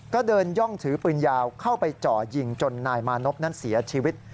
ก็เดินย่องถือปืนยาวเข้าไปจ่อยิงจนนายมานพนั้นเสียชีวิต